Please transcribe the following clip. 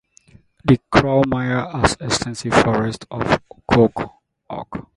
The Khroumire has extensive forests of cork oak.